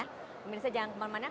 pemirsa jangan kemana mana